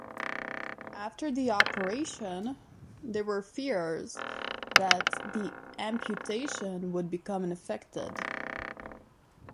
After the operation, there were fears that the amputation would become infected.